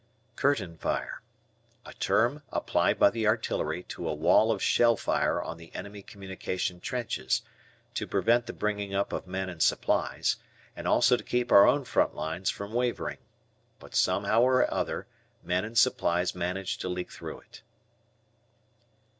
"Curtain fire." A term applied by the artillery to a wall of shell fire on the enemy communication trenches, to prevent the bringing up of men and supplies, and also to keep our own front lines from wavering. But somehow or other men and supplies manage to leak through it.